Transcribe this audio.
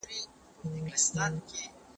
¬خپله دا مي خپله ده، د بل دا هم را خپله کې.